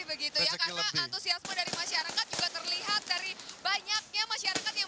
begitu ya karena antusiasme dari masyarakat juga terlihat dari banyaknya masyarakat yang